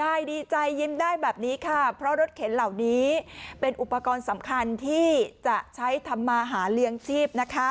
ยายดีใจยิ้มได้แบบนี้ค่ะเพราะรถเข็นเหล่านี้เป็นอุปกรณ์สำคัญที่จะใช้ทำมาหาเลี้ยงชีพนะคะ